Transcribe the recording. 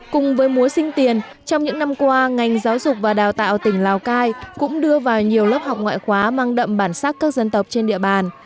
cùng với múa sinh tiền trong những năm qua ngành giáo dục và đào tạo tỉnh lào cai cũng đưa vào nhiều lớp học ngoại khóa mang đậm bản sắc các dân tộc trên địa bàn